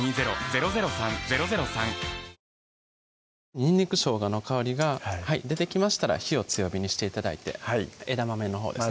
にんにく・しょうがの香りが出てきましたら火を強火にして頂いて枝豆のほうですね